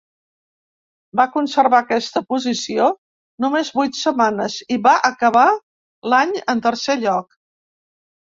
Va conservar aquesta posició només vuit setmanes i va acabar l'any en tercer lloc.